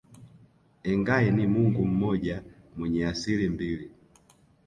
Engai ni Mungu mmoja mwenye asili mbili